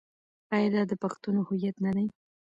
آیا دا د پښتنو هویت نه دی؟